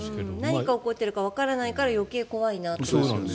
何が起こっているかわからないから余計怖いなと思います。